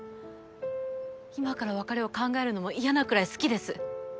今から別れを考えるのも嫌なくらい好きです。